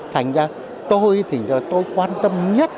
thành ra tôi quan tâm nhất